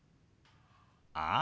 ああ。